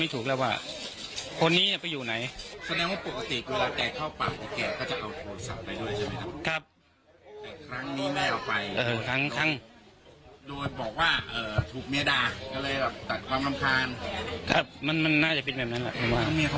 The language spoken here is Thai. เมียเขาว่าอย่างไรบ้าง